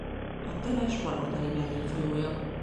A Temes bal oldali mellékfolyója.